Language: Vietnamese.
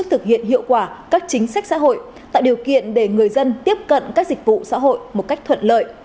để tổ chức thực hiện hiệu quả các chính sách xã hội tạo điều kiện để người dân tiếp cận các dịch vụ xã hội một cách thuận lợi